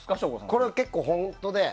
これは結構、本当で。